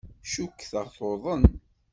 Cukkteɣ tuḍen.